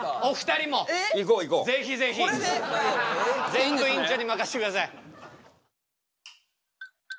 全部院長に任せてください。